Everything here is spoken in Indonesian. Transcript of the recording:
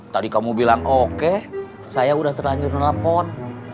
tadi kamu bilang oke saya udah terlanjur nelfon